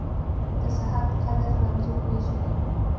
د صحت قدر رنځور پېژني.